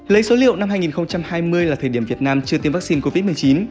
lấy số liệu năm hai nghìn hai mươi là thời điểm việt nam chưa tiêm vaccine covid một mươi chín